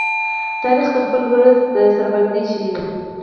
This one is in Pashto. تاریخ د خپل ولس د سربلندۍ ښيي.